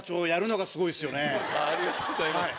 ありがとうございます。